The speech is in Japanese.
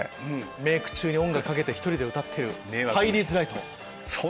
メイク中に音楽をかけて１人で歌ってる入りづらいと。